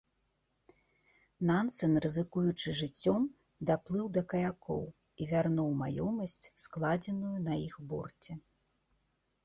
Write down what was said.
Нансен, рызыкуючы жыццём, даплыў да каякоў і вярнуў маёмасць, складзеную на іх борце.